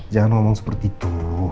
jangan ngomong seperti itu